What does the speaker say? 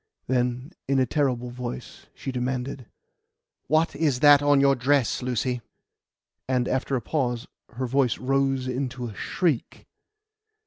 Then, in a terrible voice, she demanded: "What is that on your dress, Lucy?" And, after a pause, her voice rose into a shriek.